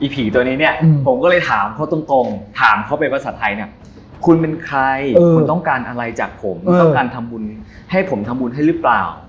ผมก็เลยถามเขาตรงถามเขาเป็นภาษาไทยคุณเป็นใครคุณต้องการอะไรจากผมคุณต้องการทำบุญให้ผมทำบุญให้หรือเปล่า